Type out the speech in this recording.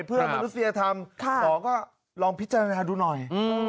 เพื่อมนุษยธรรมขอก็ลองพิจารณาดูหน่อย